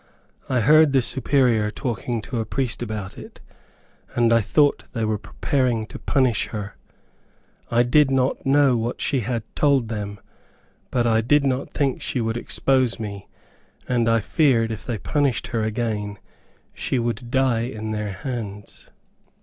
I heard the Superior talking to a priest about it, and I thought they were preparing to punish her. I did not know what she had told them, but I did not think she would expose me, and I feared, if they punished her again, she would die in their hands.